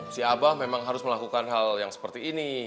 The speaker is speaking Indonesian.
si abah memang harus melakukan hal yang seperti ini